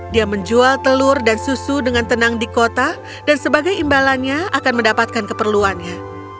dia menjual telur dan susu dengan tenang di kota dan sebagai imbalannya akan mendapatkan keperluannya